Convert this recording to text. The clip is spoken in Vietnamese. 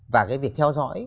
và cái việc theo dõi